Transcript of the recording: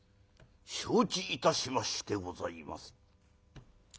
承知いたしましてございます」。